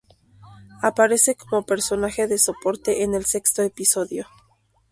Aparece como personaje de soporte en el sexto episodio.